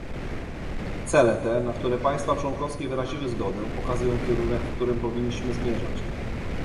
Cele te, na które państwa członkowskie wyraziły zgodę, pokazują kierunek, w którym powinniśmy zmierzać